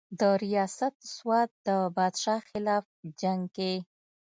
درياست سوات د بادشاه خلاف جنګ کښې